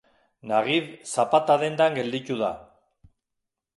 Nagib zapata dendan gelditu da.